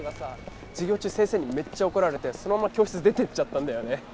授業中先生にめっちゃ怒られてそのまま教室出てっちゃったんだよね。